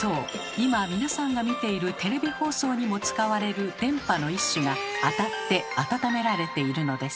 今皆さんが見ているテレビ放送にも使われる電波の一種が当たって温められているのです。